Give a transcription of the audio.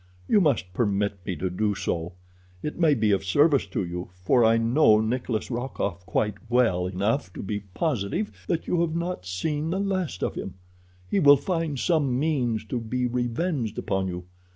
You must permit me to do so. It may be of service to you, for I know Nikolas Rokoff quite well enough to be positive that you have not seen the last of him. He will find some means to be revenged upon you.